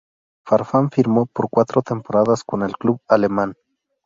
Farfán firmó por cuatro temporadas con el club alemán.